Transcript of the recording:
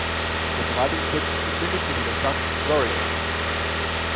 Der Verwaltungssitz befindet sich in der Stadt Warrington.